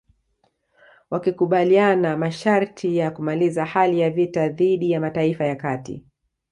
Wakikubaliana masharti ya kumaliza hali ya vita dhidi ya Mataifa ya Kati